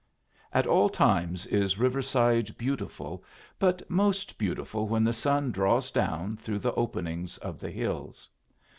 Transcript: At all times is Riverside beautiful, but most beautiful when the sun draws down through the openings of the hills.